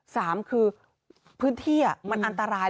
สามคือพื้นที่มันอันตราย